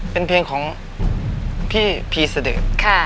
เป็นเพลงของพี่พีเสดิร์ด